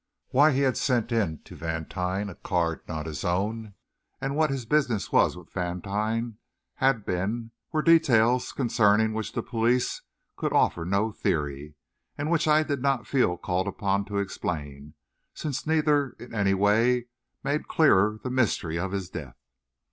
Why he had sent in to Vantine a card not his own, and what his business with Vantine had been, were details concerning which the police could offer no theory, and which I did not feel called upon to explain, since neither in any way made clearer the mystery of his death.